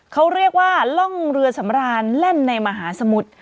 เขาเรียกว่าล่องเรือสำรานแล่นในมหาสมุทร